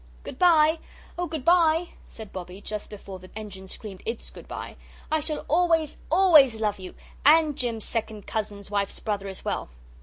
"Good bye oh, good bye," said Bobbie, just before the engine screamed ITS good bye. "I shall always, always love you and Jim's second cousin's wife's brother as well!"